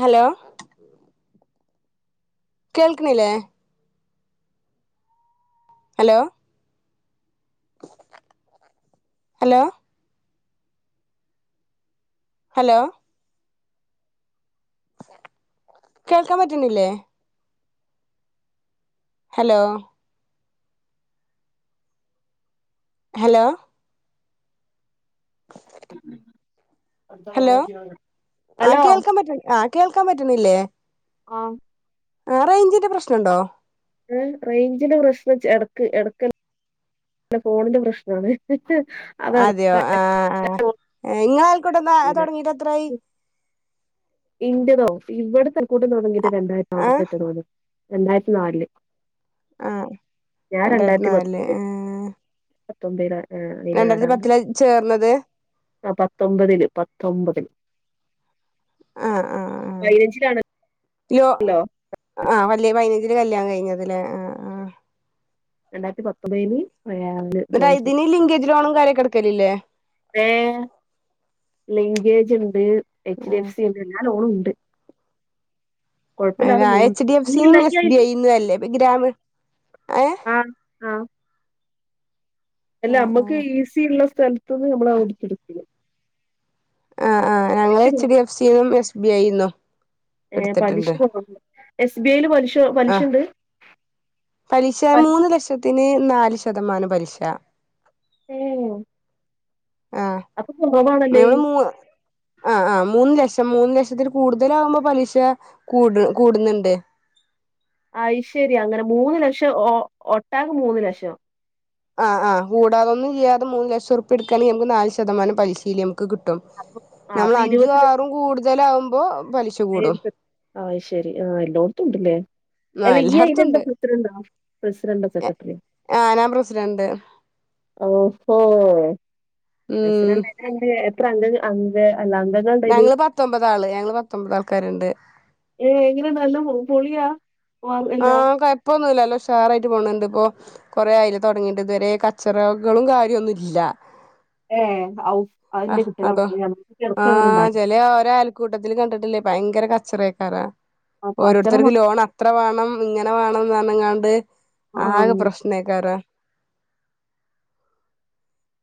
Hello കേൾക്ക്ണില്ലേ hello hello hello കേൾക്കാൻ പറ്റുന്നില്ലേ ഹലോ ഹലോ ഹലോ ആ കേൾക്കാൻ പറ്റ്ണ് ആ കേൾക്കാൻ പറ്റുന്നില്ലേ ആ ആറേഞ്ചിന്റെ പ്രശ്നംണ്ടോ ഏ റേഞ്ചിന്റെ പ്രശ്നം എടക്ക് എ ടക്ക ഫോണിന്റെ പ്രശ്നണ് അതെയോ ആ ആ ഇങ്ങളെ അയൽകൂട്ടം നോക്കിയില്ല തുടങ്ങീട്ട് എത്രായി ഇന്റതോ ഇവിടെത്തെ അയൽക്കൂട്ടം തുടങ്ങിയിട്ട് രണ്ടായിരത്തി ആ ആറിലറ്റ തോന്നുണ്‌ രണ്ടായിരത്തി നാലില് ആഹ ഞാൻ രണ്ടായിരത്തി നാലില് ഏേ തൊമ്പേലാ ഏ അതിലാടാണ് ചേർന്നത് ആ പത്തൊമ്പതില് പത്തൊമ്പതില്. ആഹ് ആഹ് ആഹ് പതിനഞ്ചിലാണല്ലോ ലോ ആഹ് ലേ പതിനഞ്ചില് കല്യാണം കഴിഞ്ഞത്‌ലേ ആ ആ രണ്ടായിരത്തി പത്തൊമ്പതില് പതിനാറിൽ എന്നിട്ട് ജോയിൻ ചെയതു ഇതിന് ലിങ്കേജ് ലോണും കാര്യൊക്കെ എടുക്കലില്ലേ ഏ ലിങ്കേജ് ഉണ്ട് എച്ച് ഡി ആ എഫ് സി ഉണ്ട് എല്ലാ ലോണും ഉണ്ട്. കുഴപ്പമില്ലാതെ അല്ല പോണ് എച്ച് ഡി എഫ് നീ സി ഇല്ല ന്നും നീ എസ് ബി അയില് ഐ ന്നും അല്ലേ ഗ്രാമീ ആഹ് ആഹ് അല്ല നമ്മക്ക് ഈസി ഉള്ള സ്ഥലത്തുന്ന് നമ്മൾ അവടക്ക് ഇടക്ക്ണ്. ആ ആ ഞങ്ങള് എച്ച് ഡി എഫ് സിന്നും എസ് ബി ഐ ന്നും ഏ പലിശ [unintelligible] എസ് ബി ഐ യിൽ പലിശ ആഹ് പലിശണ്ട് പലിശ പലി മൂന്ന് ലക്ഷത്തിന് നാല് ശതമാനം പലിശ ഏ അപ്പൊ കുറവാണല്ലേ. ആ ആഹ് മൂന്ന് ലക്ഷം മൂന്ന് ലക്ഷത്തിൽ കൂടുതല ആകുമ്പോ പലിശ കൂട് കൂടുന്നുണ്ട്. ശരിയാ അങ്ങനെ മൂന്ന് ലക്ഷം ഓ ഒട്ടാക മൂന്ന് ലക്ഷം. ആഹ ആ കൂടാതൊന്നും ഇല്ലാതെ മൂന്ന് ലക്ഷം ഉറ്പ്യട്ക്കാണെങ്കിൽ നമ്മക്ക് നാല് ശതമാനംപലശീല് കിട്ടും അപ്പൊ ആ നമ്മൾ അപ്പൊ അഞ്ചും ആറും കൂടുതലാകുമ്പോ ഐ എഫ് എസ് സി. ആ് ശരി ആഹ് എല്ലോട്ത്തും ഉണ്ട്ല്ലേ. അല്ല ആഹ് ഇയ്യ് എല്ലായിടത്തും അയ്ലെന്താ ഉണ്ട് പ്രസിഡന്റോ പ്രസിഡന്റോ സെക്രട്ടറിയോ ആഹ് ഞാൻ പ്രസിഡന്റ് ഓഹോ ഉം പ്രസിഡന്റ എത്രണ്ട് എത്രഅംഗങ്ങ അംഗ അല്ല അംഗങ്ങളുണ്ടയില് ഞങ്ങള് പത്തൊമ്പതാള് ഞങ്ങള് പത്തൊമ്പത് ആൾക്കാരുണ്ട്. ഏഹ് [unintelligible] ആഹ് കൊയപ്പോന്നുല്ല നല്ല ഉഷാറായിട്ട് പോന്ന്ണ്ട് ഇപ്പോ കൊറേ അയിലെ തൊട്ങ്ങീട്ട് ഇതുവരെ കച്ചറകളും കാര്യമൊന്നുംല്ല. ഏഹ് ഔ ആ് അതിന്റെ കുട്ടികളെ അതോ നമുക്ക് ചെറുക്ക അങ്ങനെ ആഹ് ഉണ്ടായിരുന്നു ചെലെ ഓരോ അയൽക്കൂട്ടത്തില് കണ്ടിട്ടില്ലേപ്പ ഭയങ്കര കച്ചെറയ്ക്കാരം അപ്പൊ അച്ഛനെ ഓരോരുത്തർക്ക് ലോൺ അത്ര വാണം ഇങ്ങനെ വേണംന്ന് പറഞ്ഞ്കാണ്ട് ആകെ പ്രശ്ണെയ്ക്കാരം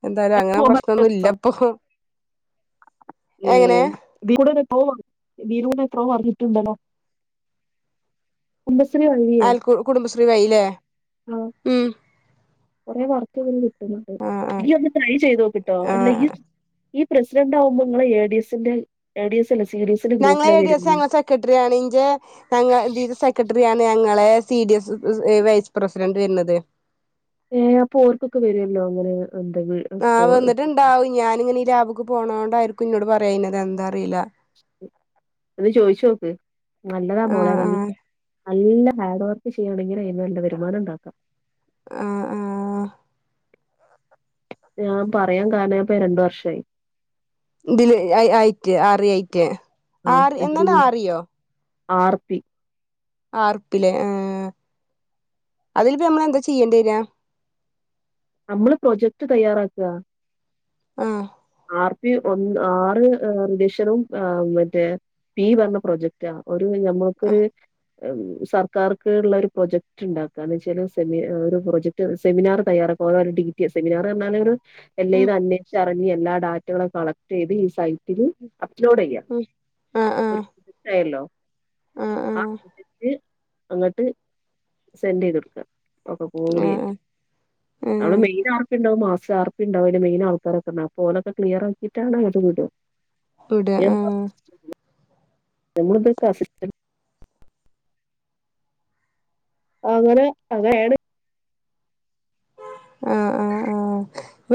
എന്തായാലും അങ്ങനെ പ്രശ്നൊന്നും ഇല്ലപ്പൊ. ഏ എങ്ങനെ ഇതികടെ [unintelligible] ഇതീലൂടെ [unintelligible] ന്തണോ അയൽകുകുടുംബശ്രീ വയിലെ ഉം കുറെേ വർക്ക് കിട്ടണ്ട് ആഹ് ആഹ് ഈ ഒന്ന് ട്രൈ ചെയ്തോക്ട്ടോ അല്ല ആഹ് ഇയ്- ഈ പ്രസിഡന്ററ് ആകുമ്പോ നിങ്ങൾ എ ഡി എസിന്റെ എ ഡി എസ്. അല്ല സി ഡി എസിന്റെ ഞങ്ങളെ ഗ്രൂപ്പിലാ എ, ഡി, എസ്, വരുള്ളൂ ഞങ്ങെളെ സെക്രട്ടറി ആണ് ഇന് ജെ ഞങ്ങ ഇതില്സെക്രട്ടറി ഞാ- - ഞങ്ങളെ C D S vice president വരുന്നത്. ഏ അപ്പൊ ഓർക്കൊക്കെ വരുല്ലോ അങ്ങനെ എന്താ കോ ആഹ് വന്നിട്ടുണ്ടാവും ഞാനി ഈ ലാബക്ക് പോണതോണ്ടായിരിക്കും ഇന്നോട് പറയായിത് എന്താ അറീല. ഒന്ന് ചോയിച്ഓക്ക് നല്ലതാ ആ മോളെ ന ആ നല്ല ഹാർഡ് വർക്ക് ചെയ്യയാണെങ്കിൽ അതിനന് നല്ല വരുമാനം ണ്ടാക്കാം. ആഹ ആഹ ഞാൻ പറയാൻ കാരണം ഞാപ്പം രണ്ട്‌വർഷായി. ഇതില് അറിയെയ്റ്റ് എന്താണ് ആറിയോ? ആർത്തി ആർത്തിലെ ഏ അതിന്പ്പം നമ്മള എന്താ ചെയ്യേണ്ടി വരാ? അമ്മള് പ്രൊജക്ട് തയ്യാറാക്കാ ആഹ് ആർപി ഒന്ന് ആറ് റിജക്ഷനും മറ്റേ പി വന്ന പ്രോജക്റ്റാ ആ നമ്മക്കൊര് സർക്കാർക്ക്ള്ള ഒരു പ്രൊജക്ട് ഇണ്ടാക്കാന്ന് വെച്ചാല് സെമി ഒരു പ്രൊജക്ട് സെമിനാർ തയ്യാറാക്ക ഓ ഡി സെമിനാറർഞ്ഞാലൊരു ഉം എല്ലേതും അന്നേഷ്ക്ച്ച് അ ഞ്ഞ് എല്ലാ ഡാറ്റകളും കളക്ട്യ്ത് ഈ സൈ ഇത് അപ്ലോഡെയ്യാം ഉം ആ ആ അപ്പൊ ഒരു പ്രോജക്ട്യല്ലോ ആ അങ്ങട്ടേക് അങ്ങട്ട് സെൻഡെയ്തൊട്ക്കാ ആ ഒക്കെകൂടൈറ്റ്. ആ നാളെ മെയിനാർപ്പിണ്ടാവും മാസ് സാർപ്പ്ണ്ടാവും ഐൻ്റെ മെയിൻ ആൾക്കാരൊക്കെ അപ്പോ ഓലൊക്കെ ക്ലിയറാക്കിയിട്ടാണ് അങ്ങട്ട് വിടു വിട ആ [inaudible] നമ്മളിതൊക്കെ അസിസ് അങ്ങനെ അങ്ങനേണ് ആഹ്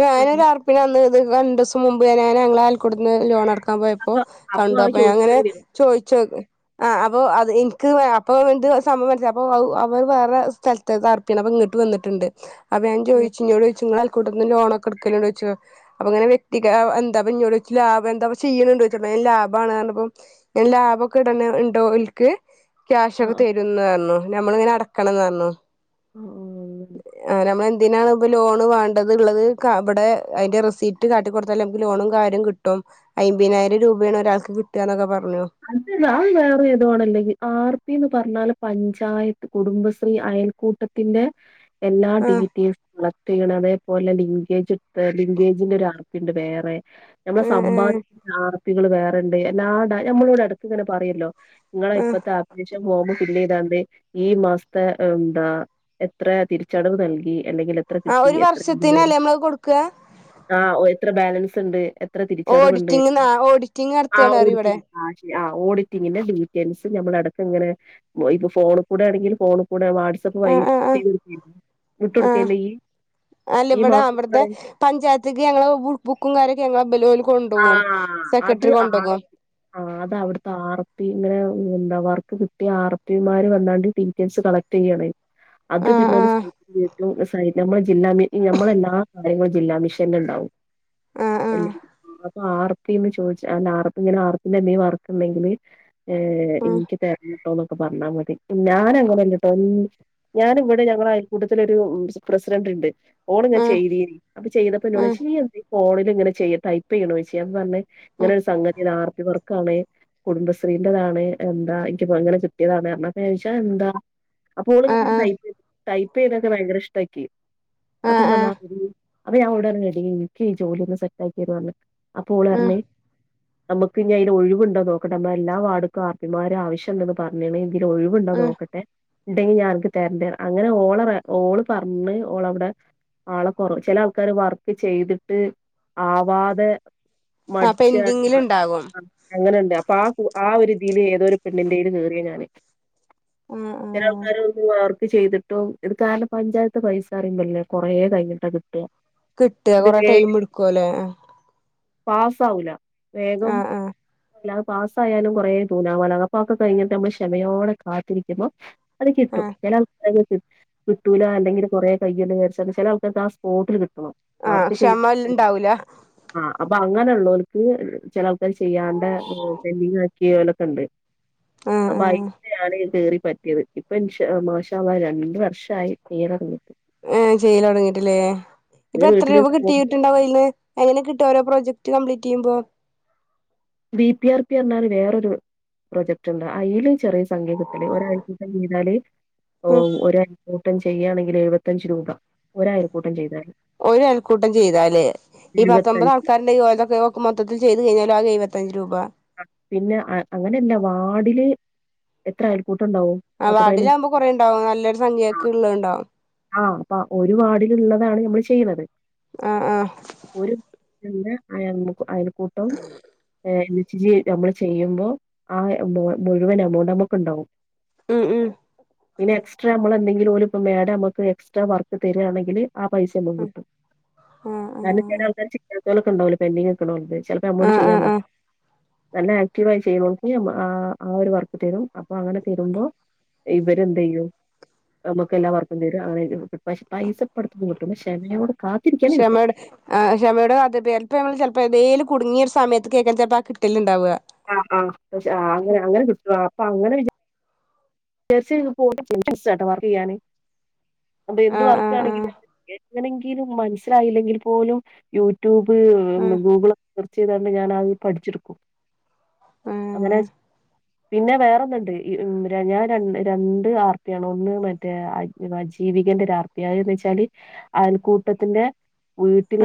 ഞാനൊ ഒരു അർപ്പിന്നത് രണ്ടുസം മുമ്പ് ഞ ഞങ്ങൾടെ ആയൽക്കട്ടത്തിൻ്റെ ലോണട ക്കാ പോയപ്പോ അപ്പൊ അപ്പൊ കണ്ടു അത് അപ്പ ഞാങ്ങനെ ചോദിച്ചൂടെയ്നോ ചോയ്ച്ചു ആ അപ്പോ അത് ഇൻക്ക് അപ്പൊ എന്ത് സംഭംമൻസിലാ അപ്പോ അവര് വേറെ സ്ഥലത്താ ഇത് ആർപ്പാണ് അപ്പോ ഇങ്ങട്ട് വന്നിട്ട ണ്ട് അപ്പ ഞാൻ ആഹ് ചോയ്ച്ചു ഇന്നോടൊയ്ച്ചു ഇങ്ങളെ അയൽ കൂട്ടത്തിന്ന് ലോണൊക്കെ എട്ക്കല്ണ്ടോയ്ച്ചു അപ്പൊ ഇങ്ങനെ വ്യക്തികത എന്താ എന്നോടൊയ്ച്ചു ലാഭഎന്താ ചെയ്യ്ണണ്ടോയ്ച്ചു ലാഭാണർഞ്ഞപ്പ ഇങ്ങെനെ ലാഭൊക്കെ ഇട്ണേ ണ്ടോൽക്ക് ക്യാഷൊക്കെ ആഹ് തരുംന്നർഞ്ഞു നമ്മളിങ്ങനെ അടക്കണംന്നർഞ്ഞു ആഹ് ആഹ് ആ നമ്മളെന്തിനാ ഇപ്പൊ ലോണ് വാ ണ്ട്ള്ളത് ഇവടെ ഐന്റെ റെസീറ്റ് കാട്ടികൊട്ത്താല് നമക്ക് ലോണും കാര്യും കിട്ടും ഐമ്പീനായിരം രൂപ വേണം ഒരാൾക്ക്കിട്ടാ ന്നൊക്കെ പറ [unintelligible] ആർപ്പീന്ന് പറഞ്ഞാല് പഞ്ചായത്ത് കുടുംബശ്രീ അയൽക്കൂട്ടത്തിന്റെ എല്ലാ ആഹ് ഡീറ്റെൽസ് അതേപോലെ ലിങ്കേജൊക്കെ ലിങ്കേജിനൊരാർപ്പിണ്ട് വേറെ നമ്മടെ ആഹ് ആഹ് സമ്പാദിക്കുന്ന ആർപ്പികള് വേറെണ്ട് എല്ലാ ഡാ നമ്മളോടെ എടക്ക്ങ്ങനെ പറയല്ലോ നിങ്ങളെ ആഹ് ഇപ്പത്തെ അപ്ലിലിയേഷം ഫോമ് പിന്നെ ഇതാണ്ട് ഈ മാസത്തെ എന്താ എത്ര തിരിച്ചടവ് നൽകി എല്ലെങ്കി എത്ര ആ കിട്ടി ഒരു എത്രണ്ട് വർഷത്തിനല്ലേ നമ്മള് കൊടുക്കുക ആ എത്ര ബാലൻസ്ണ്ട് ഏത്ര തിരിച്ചടവ്ണ്ട് ഓഡിറ്റിംഗ് ഓഡിറ്റിംഗ് ആ നടത്തുകാണ് പറയും ഇവിടെ ഓഡിറ്റിംഗ് ആ ശെരി ഓഡിറ്റിങ്ങിന്റെ ഡീറ്റെയിൽസ് ഞമ്മളടക്ക്ങ്ങനെ ഇപ്പൊ ഫോണ്കൂടെ ആണെങ്കില് ഫോ ണ്കൂടെ വാട്സആപ്പ് വഴി ആഹ് ആഹ് ആഹ് ചെയ്തൊട്ത്തീനൊ ആഹ് വിട്ടൊട്കേണ്ടോ ഇയ്യ് അല്ല ഇവിടെ അവിട്ത്തെ പഞ്ചായത്ത്ക്ക് ഞങ്ങളെ പുക്കും കാര്യക്കെ ഞങ്ങള ആ അത് ആ കൊണ്ടോകും ആ അത് അവിട്ത്തെ ആർപ്പിങ്ങനെ ഉം എന്താ അവർക്ക് കിട്ടിയ ആർ പിമാര് വന്നാണ്ട് ഡീറ്റെയിൽസ് കളക്ട്യ്യാണ അത് ആഹ് ആഹ് പിന്നെ ജില്ലാ മി ഞമ്മളെല്ലാ കാര്യങ്ങളും ജില്ലാ മിഷൻല് ഇണ്ടാവും ആഹ് എല്ലാ അപ്പൊ ആർപ്പീന്ന് ചോയ്ച്ച അല്ല ആർപ്പിങ്ങനെ ആർപ്പിന്റെന്തേലും വർക്ക്ണ്ടെങ്കില് ഏ ആഹ് ഇൻക്ക് തെ ര്ണട്ടോന്നൊക്കെ പർഞ്ഞാ മതി ഞാനങ്ങനല്ല ട്ടോ ഞാന് ഇവടെ ഞങ്ങള അയൽക്കൂട്ടത്തിലൊരു പ്രസിഡന്റ് ഇണ്ട് ഫോണ്ങ്ങനെ ആഹ് ചെയ്തീനി അപ്പ ആഹ് ചെയ്തപ്പന്നോടോയ്ച്ച് നീ എന്താ ഫോണില്ങ്ങനെ ചെയ്യ് ടൈപ്പെയ്യ്ണോയ്ച്ച് അപ്പ പർഞ്ഞ് ഇങ്ങനൊരു സംഗതാണ് ആർപ്പി വർക്കാണ് കുടുംബശ്രീന്റതാണ് എന്താ എനിക്ക്പ്പോ അങ്ങനെ കിട്ടിയതാണ്ന്നർഞ്ഞപ്പൊ ചോയ്ച്ചു. ആ എന്താ അപ്പോള് ആഹ് ആഹ് ടൈപ്പ് ടൈപ്പെയ്തൊക്കെ ഭയങ്കര ഇഷ്ടാക്കി ആഹ് അപ്പ ആഹ് എന്താണ് ആഹ് ആ [unintelligible] അപ്പഞാൻ ഓളോടർഞ്ഞി എടീ ഇൻക്ക് ഈ ജോലി ഒന്ന് സെറ്റാക്കിരോ അപ്പൊ ആഹ് ഓളർഞ്ഞി നമുക്ക് ഇനി ഐല് ഒഴിവ്ണ്ടോ നോക്കട്ടെ നമ്മ എല്ലാ വർഡ്ർക്കും ആർപ്പിമാരെ ആവശ്യണ്ട്ന്ന് പർഞ്ഞ്ണ് ഇതിലൊ ഒഴിവുണ്ടോ ആഹ് നോക്കട്ടെ ഉണ്ടെങ്കി ഞാൻ അനക്ക് തരണ്ട് അങ്ങനെ ഓള ഓള് പറഞ്ഞ് ഓളവിടെ ആളെ കൊറ ചില ആൾക്കാാര് വർക്ക് ചെയ്തിട്ട് ആവാതെ ആ മടിച്ച പെൻഡിങ്ങില്ണ്ടാകും [inaudible] അങ്ങനെ അപ്പൊ ആ ആ ഒരു രീതിയിയില് ഏതൊരു പെണ്ണിന്റെയില് കേറിയ.. ഞാാന്. ആഹ് ആഹ് ചിലാൾക്കാരെ [unintelligible] ചെയ്തിട്ടും ഇത് കാരണം പഞ്ചായത്ത് പൈസ അറിയുമ്പല്ലേ കുറേ കഴിഞ്ഞിട്ട് കി കിട്ടുക കൊറ ടൈം എടുക്കുവല്ലേ പാസ ആവൂല വേഗം. ആഹ് ആഹ് പാസ്സായാലും കുറേ തൂനാമല അപ്പൊ അക്കെ കഴിഞ്ഞിട്ട് നമ്മൾ ക്ഷമയോടെ കാത്തിരിക്കുമ്പോ അത് കിട്ടും ആഹ് [inaudible] കിട്ടൂല അല്ലെങ്കിൽ കുറേ കയ്യൊ കയച്ച ചില ആൾക്കക്ക് ആ സ്പോട്ടിൽ കിട്ടും ആഹ ക്ഷമ എല്ല ഇണ്ടാവൂല ആ അപ്പൊ അങ്ങനെ ഉള്ളവർക്ക് ചില ആൾക്കാർ ചെയ്യാണ്ട പെന്റിംഗ് ആക്കിയലൊക്കെ ഉണ്ട് ആഹ് അപ്പൊ അയി ആഹ് [unintelligible] ആാണ് കയറി പറ്റിയത് ഇപ്പൊ ഇൻഷ മാശ രണ്ട് വർഷമായി കീറിങ്ങി ഏ ചെയ്യിൽ തുടങ്ങിട്ടില്ലേ ഇപ്പൊ പിന്നെ എത്ര രൂപ വീട്ടിലിരുന്ന് പോകും. കിട്ടിട്ടുണ്ടാവയിൽന്ന് എങ്ങനെ കി ഓരോ പ്രോജക്ട് കംപ്ലീറ്റീയ്യുമ്പോ ബി പി ആർ പി പറഞ്ഞാല് വേറൊരു. പ്രൊജക്റ്റ് ഉണ്ട് അതിൽ ചെറിയ സങ്കേ കിട്ടല് ഒരാഴ്ചീത്തേ ചെയ്താല് ഉം ഒവ് ഒയക്കൂട്ടം ചെയ്യയാണെങ്കിൽ എഴുപത്തഞ്ച് രൂപ ഒരയക്കൂട്ടം ചെയ്ത ഒരാൾക്കൂട്ടം ചെയ്തല്... ഈ പത്തൊമ്പത് എഴുപത്തഞ്ച് ആൾക്കാരുന്റെ യോക്കെ മൊത്തിൽ ചെയ്ത് കഴിഞ്ഞാലോ ആക എഴപത്തഞ്ച് രൂപ പിന്നെ അങ്ങനെയല്ല വാടില് എത്ര അയൽക്കൂട്ടം ഉണ്ടാവും ആ് പത്ത് പതിനഞ്ച് വാഡിലാകുമ്പോ വീട്. കൊറേ ഉണ്ടാവും നല്ലൊരു സംഖ്യക്കെ ഇള്ള ഉണ്ടാവും ആഹ് അപ്പ ഒരു വാടിലള്ളതാണ് നമ്മൾ ചെയ്യുന്നത് ആ.. ആഹ്.. െഅ അയൽക്കൂട്ടം [unintelligible] ഇജ് നമ്മള് ചെയ്യുമ്പോ ആ മുഴുവൻ എമൗണ്ട് നമ്മുക്ക് ഉണ്ടാവും ഉം ഉം.. പിന്നെ എക്സ്ട്രാ നമ്മളെന്തെങ്കിലും ഒരുപ്പ മഡം നമ്മക്ക് എക്സ്ട്രാ വർക്ക് തരിയാണെങ്കിൽ ആ പൈസ മ്മക്ക് കിട്ടും ആഹ് ആഹ് കാര്ണം ചേലെ ആൾക്കാർ ചിയ്യത്തൊലൊക്കെ ഉണ്ടാവില്ലോ പെൻഡിങ് ഒക്കണള്ളത് ചിലപ്പോ അമ്മോട് ആഹ് ചെയ്യാൻ ആഹ് പറ ആഹ് നല്ല ആക്റ്റീവയി ചെയ്തോണ്ട് ആ ആ ഒരു വർക്ക് തരും അപ്പൊ അങ്ങനെ തരുമ്പോ ഇവരെന്തയ്യും നമ്മുക്കെല്ലാം വർക്കും തരും അങ്ങനെ പൈ പൈസ ഇപ്പടുത്തൊന്നും കിട്ടും പക്ഷെ ക്ഷമയോടെ കാത്തിരിക്കാനേ കിട്ടും ക്ഷമയുടെ ആ ക്ഷമയുടെ [unintelligible] അപ്പ ചെൽപ്പ എന്തേലും കുട്ങ്ങിയ ഒരു സമയത്ത് കേക്കരം ചെൽപ്പ ആ കിട്ടല്ണ്ടാവ ആ ആ ഷെ ആ അങ്ങനെ അങ്ങനെ കിട്ടു ആ അപ്പ അങ്ങനെ വി ചേര്ച്ച് പോ [unintelligible] ഇഷ്ടാ ട്ടൊ വർക്കെയ്യാന് അപ്പൊ എന്ത് ആ ആ ആ വർക്കാണെങ്കില് എ ങ്ങനെങ്കിലും മനസ്സിലായില്ലെങ്കിൽ പോലും യൂട്യൂബ് ആ ഗൂഗിൾക്കെ ചെയ്താണ്ട് ഞാൻ അത് പഠിച്ച്ട്ക്കും അങ്ങനെ പിന്നെ വേറൊന്ന്ണ്ട് ഈ ഉ ര ഞാൻ രണ്ട് രണ്ട് ആർപ്പിയാണ് ഒന്ന് മറ്റേ അ ജീവികന്റെ ആർപ്പിയ അന്തെച്ചാല് കൂട്ടത്തിന്റെ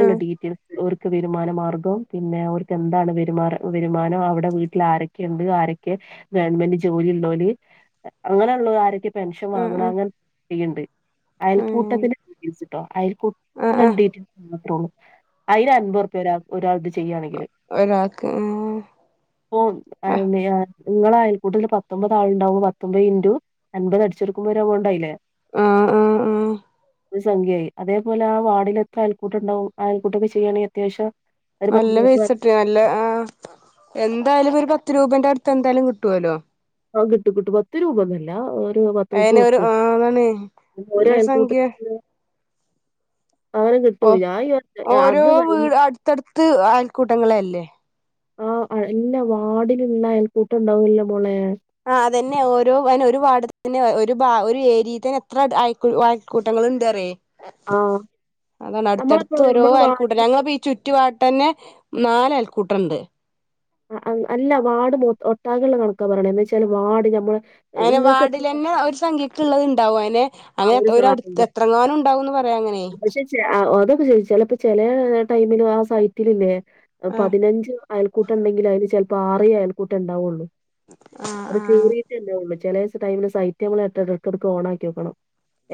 ആ ആ ഡീറ്റെൽസ് ഓർ ക്ക് വെരുമാനമാർഗം പിന്നെ ഓൽക്കെന്താണ് വെരുമാന വരുമാനം അവ്ടെ വീട്ടിലാരൊക്കെണ്ട് ആരെക്കെ ഗവൺമെന്റ് ജോലിള്ളോല് അങ്ങനെള്ളാേലാരൊക്കെ പെൻഷൻ ആ ആ വാങ്ങ്ണ അങ്ങനെ ചെയ്യ്ണ്ട് ആ അയൽക്കൂട്ടത്തിന്റെ റ്റെയിൽസ്ട്ടോ ആ ആ അയൽക്കൂത്തിനെന്തെ ട്ടോ അയ്ന് അൻബൊർപ്യാ ഒരാൾ ഒരാൾത് ചെയ്യണെങ്കില് ഒരാൾക്ക് പ്പോം ആ അയെന്തെയ്യാ ഇങ്ങള അയൽക്കൂട്ടത്ത്‌ല് പത്തൊമ്പതാൾണ്ടാവും പത്തൊമ്പെ ഇന്റു അൻപത് അടിച്ചോട്ക്ക്മ്പോ ഒരു എമൗണ്ടായില്ലേ ആ ആ ആ ഒരു സംഖ്യായി അതേപോലെ ആ വാഡിലെത്ര അയൽക്കൂട്ടണ്ടാവും ആ അയൽക്കൂട്ടൊക്കെ ചെയ്യയാണെങ്കി അത്യാവശ്യം ഒരു പത്ത് നല്ല മുപ്പത് പെയ്സട്ട് ‌ നല്ല ആ എന്തായാലും ഒര് പ ത്ത് രൂപന്റെട്ത്ത് എന്തായാലും കിട്ടോലൊ ആ കിട്ടും കിട്ടും പത്ത് രൂപൊന്നു അല്ല പത്ത് അയിന് ഒരു മുപ്പതുർപ്യാ ആ അതാണ് നല്ലൊരു ഒരയൽകൂട്ടത് സംഖ്യ ന്ന് ഓ ഒറ്റ- ഓരോ അത് കഴി- വീ അട്ത്തട്ത്ത് അയൽക്കൂട്ടങ്ങളെല്ലേ ആ അ ഇല്ല വാഡിലുള്ള അയൽക്കൂട്ടണ്ടാവല്ലാെ മോളേ ആ അതന്നെ ഓരോ അയ്ന് ഒര് വാഡ് തന്നെ ഒരു ബാ ഒര് ഏര്യേ തന്നെ എത്ര അയ അയൽക്കൂട്ടം ത്ണ്ട് അറെയ് ആ അതാണ് നമ്മളപ്പോ അട്ത്തട്ത്ത് ഓരോ നമ്മളെ ആയൽക്കൂട്ട വാർഡിൽ ഞങ്ങപ്പ ഈ ചുറ്റുപാട്ടന്നെ നാല് അയൽക്കൂട്ടണ്ട് ആ അ അല്ല വാഡ് മൊ ഒട്ടാകള്ളെ കണക്കാ പറിണെ എന്താച്ചാല് വാഡ് ഞമ്മള് അയ്നെ വാഡിലെന്നെ ഒര് സംഖ്യക്ക്ള്ളത്ണ്ടാവോ അയ്ന് ആ അങ്ങനെ ഒരു ത്ര സാധനം ഒരട്ത്ത് എത്രങ്ങാനുംണ്ടാവുംന്ന് പറയാ അങ്ങനെ പക്ഷെ ചെ അ അതൊക്കെ ശെരി ചെലപ്പോ ചെലേ ടൈമ്മില് ആ സൈറ്റില്‌ല്ലേ ആഹ് പതിനഞ്ച് അയൽക്കൂട്ടണ്ടെങ്കില് അയ്ല് ചെൽപ്പ ആറേയ് അയൽക്കൂട്ടെണ്ടാവാെള്ളൂ ആഹ് അത് കേറിയിട്ടെണ്ടാവൊള്ളു ചെലേസം ടയ്മിൽ സൈറ്റ് എട്ട ട ട്ക്ക് ഓണാക്ക്യാേക്കണം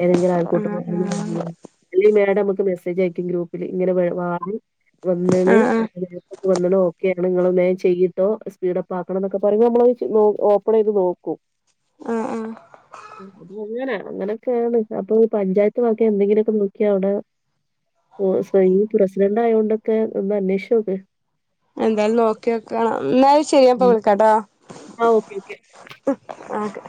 ഏതെങ്കിലും അയൽകൂട്ട [unintelligible] നിന്നീനോ ആഹ് അല്ലെങ്കി മേലങ്ങക്ക് മെസേജയക്കും ഗ്രൂപ്പില് ഇങ്ങനെ വാഡ് വന്ന്ണ് ആഹ് [unintelligible] ണ് ഓകെ നിങ്ങള് വേം ചെയ്യിട്ടോ സ്പീഡപ്പാക്കണം ന്നൊക്കെ പറയുമ്പോ നമ്മളത് ചെ ഓപ്പണെയ്ത് നോക്കു ആഹ് ആഹ് അങ്ങന അങ്ങനെ കേണ് അപ്പൊ പഞ്ചായത്ത് വക എന്തെങ്കിലുക്കെ നോക്കിയാ ഔടെ ഓ സൊ ഇയ്യ് പ്രസിഡന്റായോണ്ടൊക്കെ ഒന്ന് അന്വേഷിച്ചോക് അ എന്തായാലും നോക്ക്യോ ക്ക ന്നാല് ശെരി ഞാൻപ്പൊ മ്മ്. വിളിക്കാട്ടോ ആ. Okay, okay. ആ ഒകെ